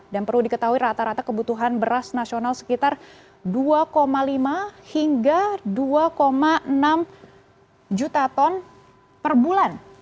dan perlu diketahui rata rata kebutuhan beras nasional sekitar dua lima hingga dua enam juta ton per bulan